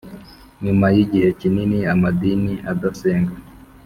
nyuma yigihe kinini amadini adasenga